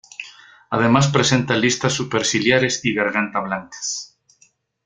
Además presenta listas superciliares y garganta blancas.